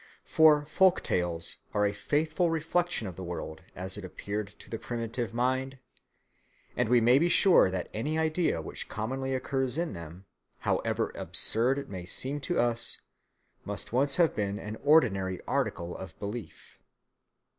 For folk tales are a faithful reflection of the world as it appeared to the primitive mind; and we may be sure that any idea which commonly occurs in them, however absurd it may seem to us, must once have been an ordinary article of belief.